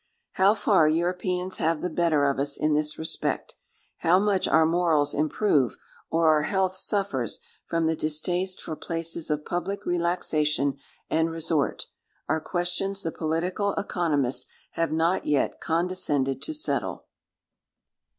How far Europeans have the better of us in this respect—how much our morals improve, or our health suffers, from the distaste for places of public relaxation and resort, are questions the political economists have not yet condescended to settle.